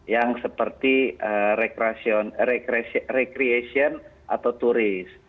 yang seperti recreation atau turis